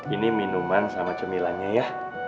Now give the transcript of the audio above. ini minuman sama cemilannya ya